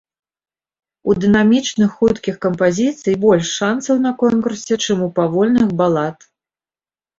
У дынамічных, хуткіх кампазіцый больш шанцаў на конкурсе, чым у павольных балад.